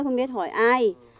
không biết hỏi ai